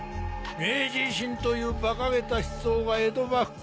明治維新というバカげた思想が江戸幕府